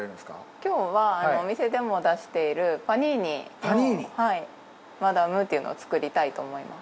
今日はお店でも出しているパニーニ・マダムというのを作りたいと思います。